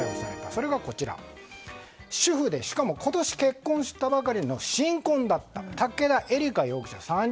それが、主婦でしかも今年結婚したばかりの新婚だった武田絵理華容疑者、３０歳。